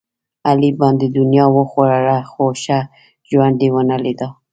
علي باندې دنیا وخوړله، خو ښه ژوند یې ونه لیدا.